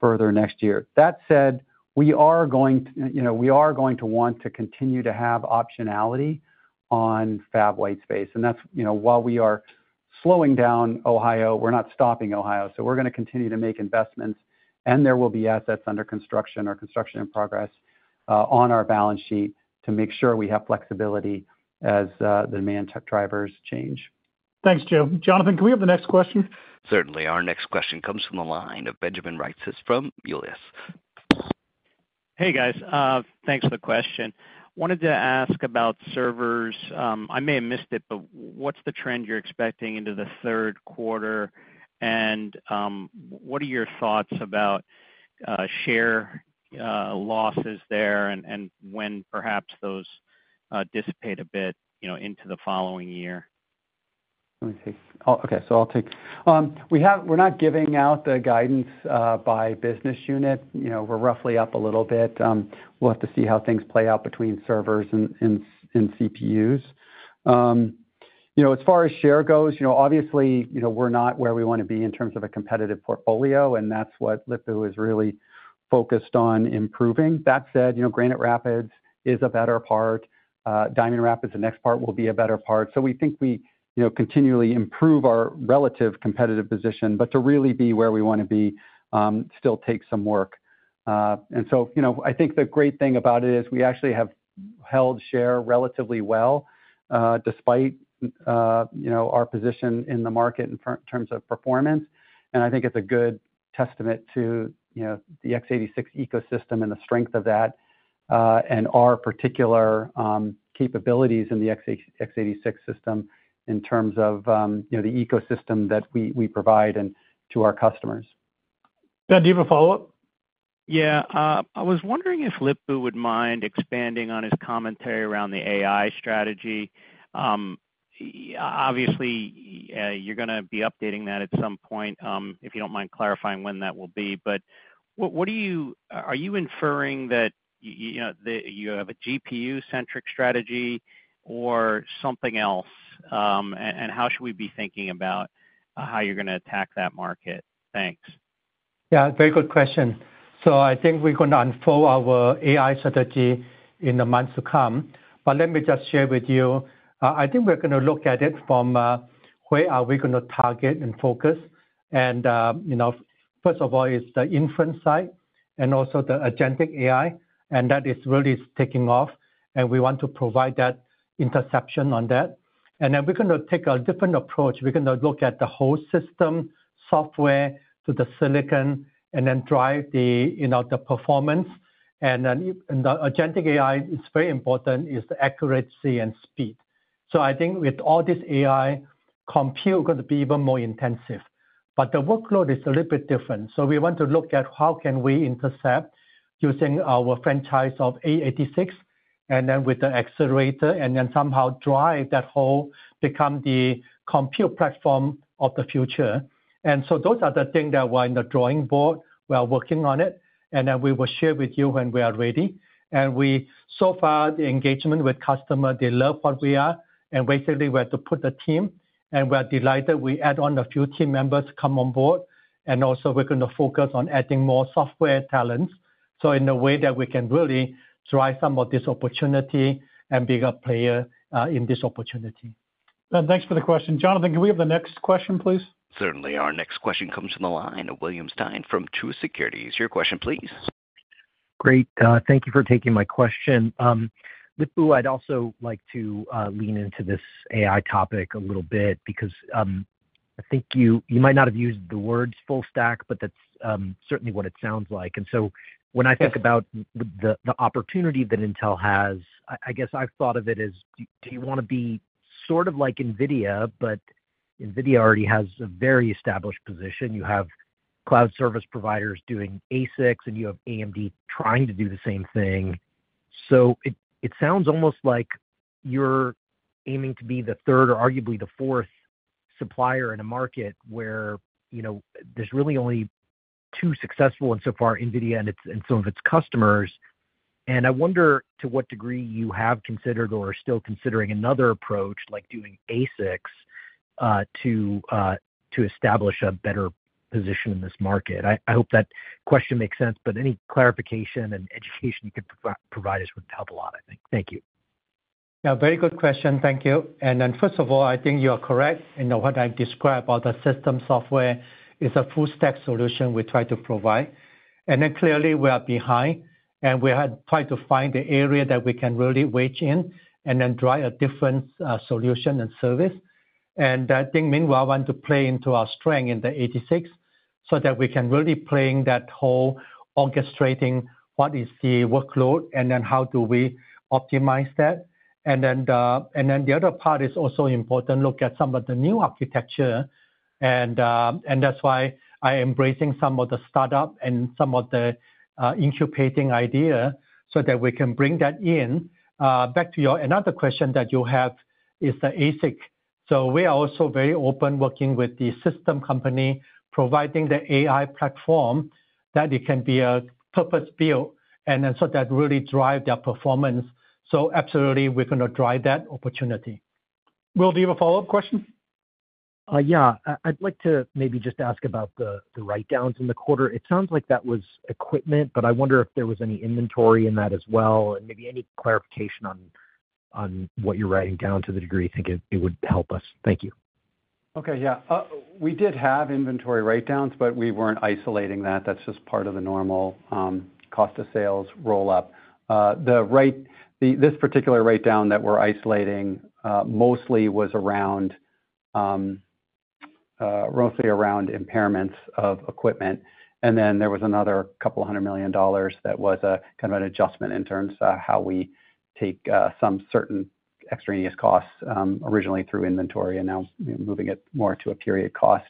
further next year. That said, we are going to want to continue to have optionality on fab white space. While we are slowing down Ohio, we are not stopping Ohio. We are going to continue to make investments. There will be assets under construction or construction in progress on our balance sheet to make sure we have flexibility as the demand drivers change. Thanks, Joe. Jonathan, can we have the next question? Certainly. Our next question comes from the line of Benjamin Rice from ULIS. Hey, guys. Thanks for the question. Wanted to ask about servers. I may have missed it, but what is the trend you are expecting into the third quarter? What are your thoughts about share losses there and when perhaps those dissipate a bit into the following year? Let me see. Oh, okay. I will take we are not giving out the guidance by business unit. We are roughly up a little bit. We will have to see how things play out between servers and CPUs. As far as share goes, obviously, we are not where we want to be in terms of a competitive portfolio. That is what Lip-Bu is really focused on improving. That said, Granite Rapids is a better part. Diamond Rapids, the next part, will be a better part. We think we continually improve our relative competitive position. To really be where we want to be still takes some work. I think the great thing about it is we actually have held share relatively well despite our position in the market in terms of performance. I think it is a good testament to. The x86 ecosystem and the strength of that. And our particular capabilities in the x86 system in terms of the ecosystem that we provide to our customers. Ben, do you have a follow-up? Yeah. I was wondering if Lip-Bu would mind expanding on his commentary around the AI strategy. Obviously, you're going to be updating that at some point if you don't mind clarifying when that will be. But are you inferring that you have a GPU-centric strategy or something else? And how should we be thinking about how you're going to attack that market? Thanks. Yeah. Very good question. I think we're going to unfold our AI strategy in the months to come. But let me just share with you. I think we're going to look at it from where are we going to target and focus. First of all, it's the inference side and also the agentic AI. That is really taking off. We want to provide that interception on that. We're going to take a different approach. We're going to look at the whole system, software to the silicon, and then drive the performance. The agentic AI is very important, is the accuracy and speed. I think with all this AI, compute is going to be even more intensive. The workload is a little bit different. We want to look at how can we intercept using our franchise of x86 and then with the accelerator and then somehow drive that whole become the compute platform of the future. Those are the things that were in the drawing board. We are working on it. We will share with you when we are ready. So far, the engagement with customers, they love what we are. Basically, we had to put the team. We're delighted. We add on a few team members to come on board. Also, we're going to focus on adding more software talents in a way that we can really drive some of this opportunity and be a player in this opportunity. Ben, thanks for the question. Jonathan, can we have the next question, please? Certainly. Our next question comes from the line of William Stein from Truist Securities. It's your question, please. Great. Thank you for taking my question. Lip-Bu, I'd also like to lean into this AI topic a little bit because I think you might not have used the words full stack, but that's certainly what it sounds like. When I think about the opportunity that Intel has, I guess I've thought of it as, do you want to be sort of like NVIDIA? But NVIDIA already has a very established position. You have cloud service providers doing ASICs, and you have AMD trying to do the same thing. It sounds almost like you're aiming to be the third or arguably the fourth supplier in a market where there's really only. Two successful in so far, NVIDIA and some of its customers. I wonder to what degree you have considered or are still considering another approach, like doing ASICs, to establish a better position in this market. I hope that question makes sense. Any clarification and education you could provide us would help a lot, I think. Thank you. Yeah. Very good question. Thank you. First of all, I think you are correct in what I described about the system software is a full-stack solution we try to provide. Clearly, we are behind. We had tried to find the area that we can really wedge in and drive a different solution and service. I think, meanwhile, I want to play into our strength in the 86 so that we can really play in that whole orchestrating what is the workload and how do we optimize that. The other part is also important to look at some of the new architecture. That's why I am embracing some of the startup and some of the incubating idea so that we can bring that in. Back to another question that you have is the ASIC. We are also very open working with the system company providing the AI platform that it can be a purpose-built and so that really drives their performance. Absolutely, we're going to drive that opportunity. Will it be a follow-up question? Yeah. I'd like to maybe just ask about the write-downs in the quarter. It sounds like that was equipment, but I wonder if there was any inventory in that as well and maybe any clarification on what you're writing down to the degree you think it would help us. Thank you. Okay. Yeah. We did have inventory write-downs, but we weren't isolating that. That's just part of the normal cost of sales roll-up. This particular write-down that we're isolating mostly was around impairments of equipment. There was another couple of hundred million dollars that was kind of an adjustment in terms of how we take some certain extraneous costs originally through inventory and now moving it more to a period cost.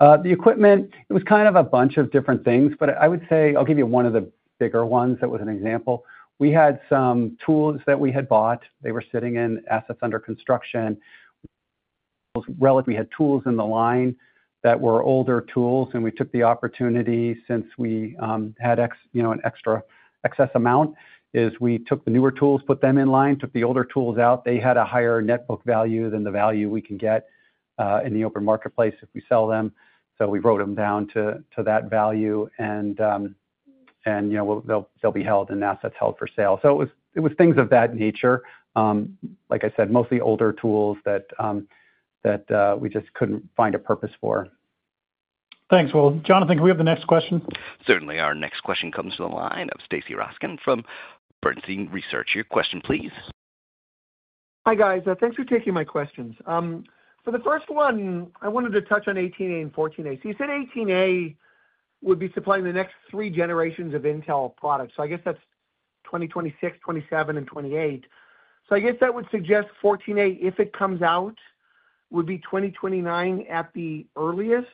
The equipment, it was kind of a bunch of different things. I would say I'll give you one of the bigger ones that was an example. We had some tools that we had bought. They were sitting in assets under construction. We had tools in the line that were older tools. We took the opportunity since we had an extra excess amount is we took the newer tools, put them in line, took the older tools out. They had a higher netbook value than the value we can get in the open marketplace if we sell them. We wrote them down to that value. They'll be held in assets held for sale. It was things of that nature. Like I said, mostly older tools that. We just could not find a purpose for. Thanks. Jonathan, can we have the next question? Certainly. Our next question comes from the line of Stacy Rasgon from Bernstein Research. Your question, please. Hi, guys. Thanks for taking my questions. For the first one, I wanted to touch on 18A and 14A. You said 18A would be supplying the next three generations of Intel products. I guess that is 2026, 2027, and 2028. I guess that would suggest 14A, if it comes out, would be 2029 at the earliest.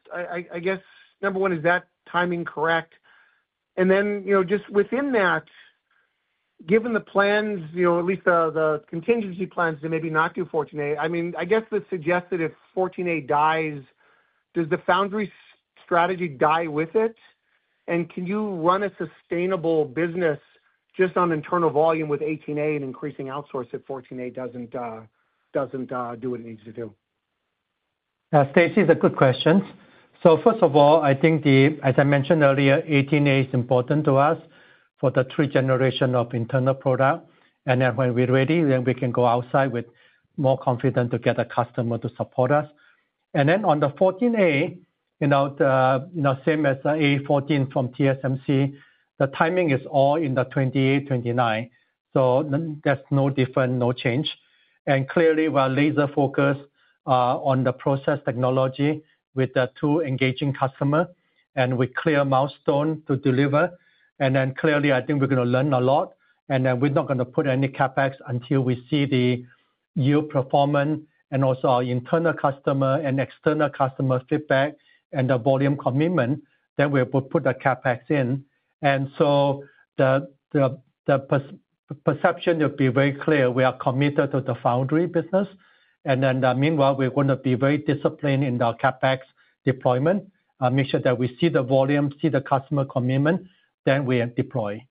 Number one, is that timing correct? And then just within that, given the plans, at least the contingency plans to maybe not do 14A, I mean, I guess the suggestion is if 14A dies, does the foundry strategy die with it? Can you run a sustainable business just on internal volume with 18A and increasing outsource if 14A does not do what it needs to do? Stacey, that is a good question. First of all, I think, as I mentioned earlier, 18A is important to us for the three generations of internal product. When we are ready, then we can go outside with more confidence to get a customer to support us. On the 14A, same as A14 from TSMC, the timing is all in the 2028, 2029. There is no difference, no change. We are laser-focused on the process technology with the two engaging customers and with clear milestones to deliver. We are going to learn a lot. We are not going to put any CapEx until we see the yield performance and also our internal customer and external customer feedback and the volume commitment, then we will put the CapEx in. The perception will be very clear. We are committed to the foundry business. Meanwhile, we are going to be very disciplined in the CapEx deployment, make sure that we see the volume, see the customer commitment, then we deploy.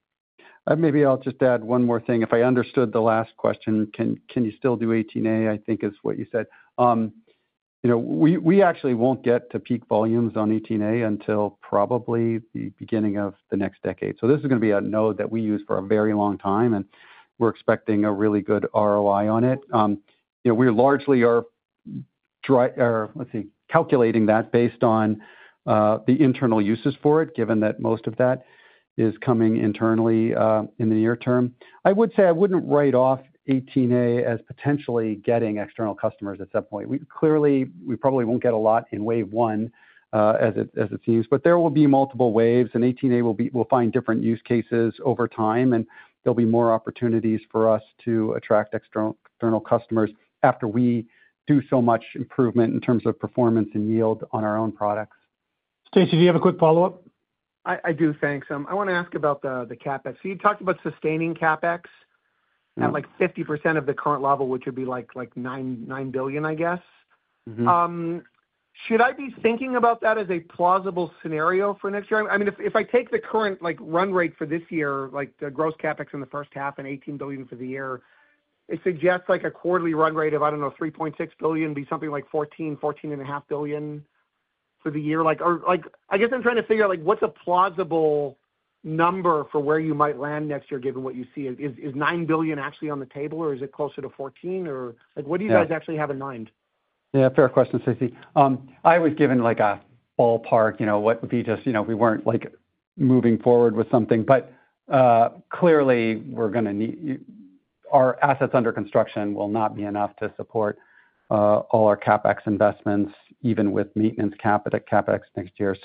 Maybe I will just add one more thing. If I understood the last question, can you still do 18A, I think, is what you said? We actually will not get to peak volumes on 18A until probably the beginning of the next decade. This is going to be a node that we use for a very long time. We are expecting a really good ROI on it. We largely are, let us see, calculating that based on the internal uses for it, given that most of that is coming internally in the near term. I would say I would not write off 18A as potentially getting external customers at some point. Clearly, we probably will not get a lot in wave one as it seems. There will be multiple waves. 18A will find different use cases over time. There will be more opportunities for us to attract external customers after we do so much improvement in terms of performance and yield on our own products. Stacy, do you have a quick follow-up? I do. Thanks. I want to ask about the CapEx. So you talked about sustaining CapEx at like 50% of the current level, which would be like $9 billion, I guess. Should I be thinking about that as a plausible scenario for next year? I mean, if I take the current run rate for this year, the gross CapEx in the first half and $18 billion for the year, it suggests a quarterly run rate of, I do not know, $3.6 billion would be something like $14 billion-$14.5 billion for the year. I guess I am trying to figure out what is a plausible number for where you might land next year, given what you see. Is $9 billion actually on the table, or is it closer to $14 billion? Or what do you guys actually have in mind? Yeah. Fair question, Stacey. I was giving a ballpark, what would be just we were not moving forward with something. Clearly, we are going to need our assets under construction will not be enough to support all our CapEx investments, even with maintenance CapEx next year.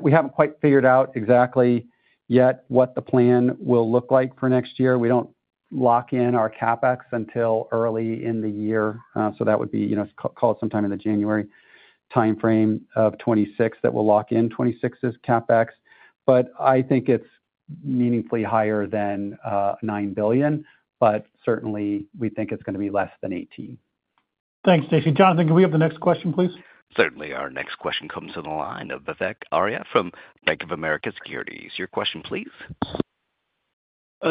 We have not quite figured out exactly yet what the plan will look like for next year. We do not lock in our CapEx until early in the year. That would be called sometime in the January timeframe of 2026 that we will lock in 2026's CapEx. I think it is meaningfully higher than $9 billion. Certainly, we think it is going to be less than $18 billion. Thanks, Stacy. Jonathan, can we have the next question, please? Certainly, our next question comes from the line of Vivek Arya from Bank of America Securities. Your question, please.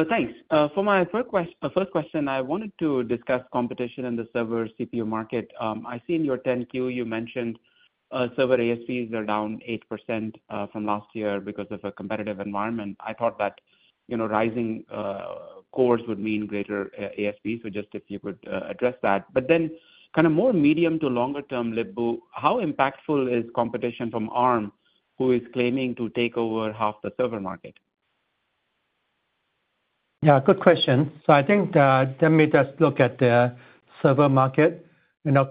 Thanks. For my first question, I wanted to discuss competition in the server CPU market. I see in your 10Q, you mentioned server ASPs are down 8% from last year because of a competitive environment. I thought that rising cores would mean greater ASPs. If you could address that. Then kind of more medium to longer-term, Lip-Bu, how impactful is competition from Arm, who is claiming to take over half the server market? Yeah. Good question. I think let me just look at the server market.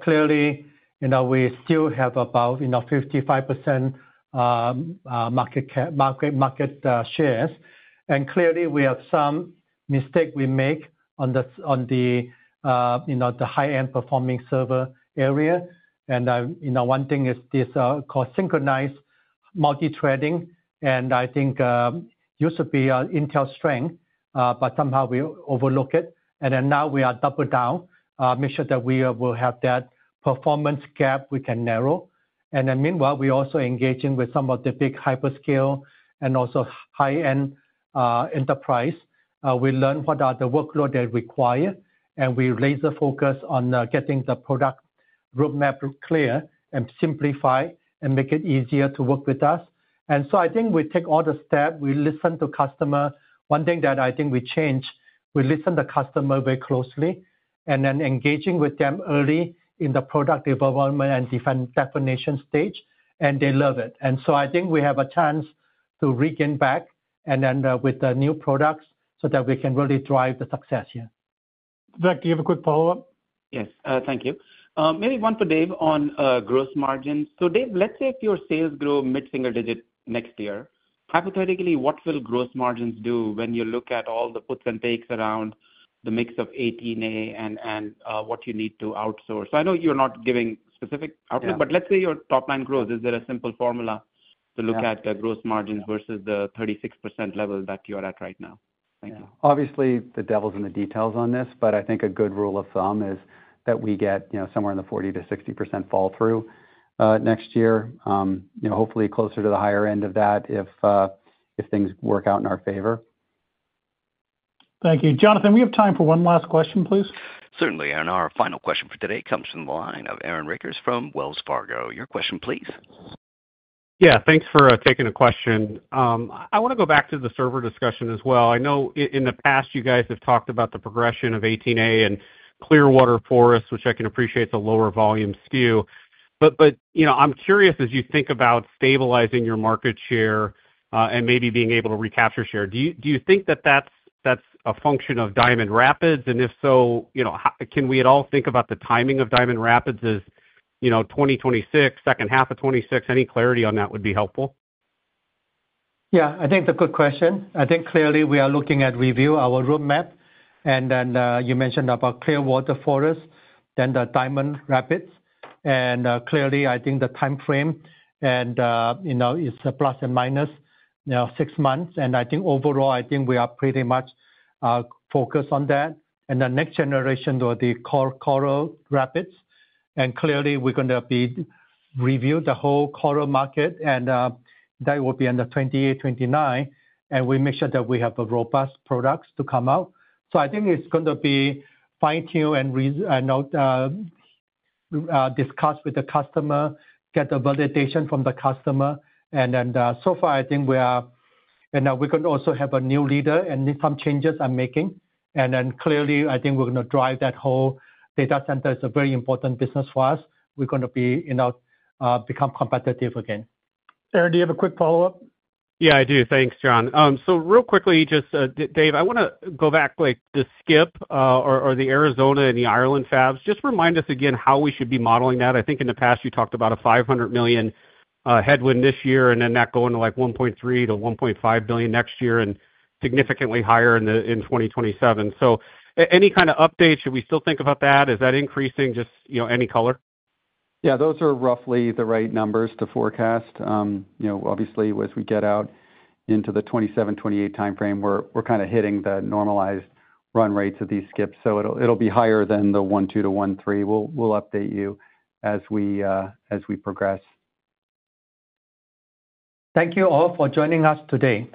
Clearly, we still have about 55% market share. Clearly, we have some mistakes we make on the high-end performing server area. One thing is this called synchronized multi-threading. I think it used to be an Intel strength, but somehow we overlook it. Now we are double down, make sure that we will have that performance gap we can narrow. Meanwhile, we are also engaging with some of the big hyperscale and also high-end enterprise. We learn what are the workloads they require. We laser-focus on getting the product roadmap clear and simplify and make it easier to work with us. I think we take all the steps. We listen to customers. One thing that I think we change, we listen to customers very closely and then engage with them early in the product development and definition stage. They love it. I think we have a chance to regain back and then with the new products so that we can really drive the success here. Vivek, do you have a quick follow-up? Yes. Thank you. Maybe one for Dave on gross margins. Dave, let's say if your sales grow mid-single digit next year, hypothetically, what will gross margins do when you look at all the puts and takes around the mix of 18A and what you need to outsource? I know you're not giving specific output, but let's say your top-line growth. Is there a simple formula to look at the gross margins versus the 36% level that you are at right now? Thank you. Obviously, the devil's in the details on this. I think a good rule of thumb is that we get somewhere in the 40%-60% fall-through. Next year, hopefully closer to the higher end of that if things work out in our favor. Thank you. Jonathan, we have time for one last question, please. Certainly. Our final question for today comes from the line of Aaron Rakers from Wells Fargo. Your question, please. Yeah. Thanks for taking the question. I want to go back to the server discussion as well. I know in the past, you guys have talked about the progression of 18A and Clearwater Forest, which I can appreciate is a lower volume SKU. I'm curious, as you think about stabilizing your market share and maybe being able to recapture share, do you think that that's a function of Diamond Rapids? If so, can we at all think about the timing of Diamond Rapids as 2026, second half of 2026? Any clarity on that would be helpful. Yeah. I think it's a good question. I think clearly, we are looking at review our roadmap. You mentioned about Clearwater Forest, then the Diamond Rapids. Clearly, I think the timeframe is a plus and minus six months. I think overall, we are pretty much focused on that. The next generation will be Coral Rapids. Clearly, we're going to review the whole coral market. That will be in 2028, 2029. We make sure that we have robust products to come out. I think it's going to be fine-tune and discuss with the customer, get the validation from the customer. So far, I think we are. We're going to also have a new leader and need some changes I'm making. Clearly, I think we're going to drive that whole data center. It's a very important business for us. We're going to become competitive again. Aaron, do you have a quick follow-up? Yeah, I do. Thanks, John. Real quickly, just Dave, I want to go back to Skip or the Arizona and the Ireland fabs. Just remind us again how we should be modeling that. I think in the past, you talked about a $500 million headwind this year and then that going to like $1.3 billion-$1.5 billion next year and significantly higher in 2027. Any kind of updates? Should we still think about that? Is that increasing? Any color? Yeah. Those are roughly the right numbers to forecast. Obviously, as we get out into the 2027-2028 timeframe, we're kind of hitting the normalized run rates of these skips. It will be higher than the $1.2 billion-$1.3 billion. We'll update you as we progress. Thank you all for joining us today.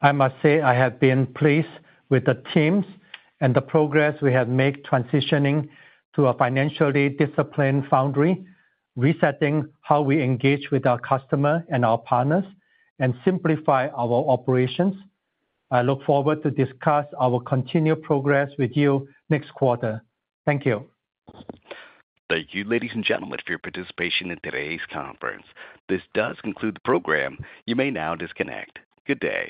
I must say I have been pleased with the teams and the progress we have made transitioning to a financially disciplined foundry, resetting how we engage with our customers and our partners, and simplifying our operations. I look forward to discussing our continued progress with you next quarter. Thank you. Thank you, ladies and gentlemen, for your participation in today's conference. This does conclude the program. You may now disconnect. Good day.